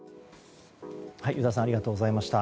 油田さんありがとうございました。